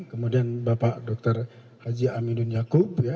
kemudian bapak dr haji aminun yaakub